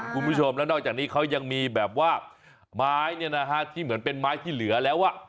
คุณผู้ชมแล้วนอกจากนี้เขายังมีแบบว่าไม้เนี่ยนะฮะที่เหมือนเป็นไม้ที่เหลือแล้ว